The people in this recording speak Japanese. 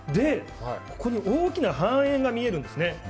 ここに大きな半円が見えるんです。